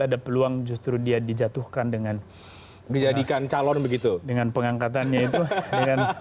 ada peluang justru dia dijatuhkan dengan dijadikan calon begitu dengan pengangkatannya itu dengan